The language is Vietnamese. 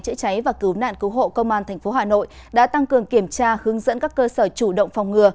chữa cháy và cứu nạn cứu hộ công an tp hà nội đã tăng cường kiểm tra hướng dẫn các cơ sở chủ động phòng ngừa